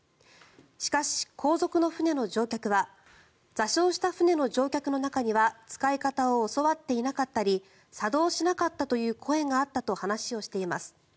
しかし、後続の船の乗客は座礁した船の乗客の中には使い方を教わっていなかったり作動しなかったという声があったと話をしています。